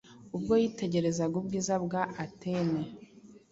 Ubwo yitegerezaga ubwiza bwa Atene